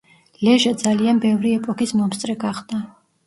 ლეჟა ძალიან ბევრი ეპოქის მომსწრე გახდა.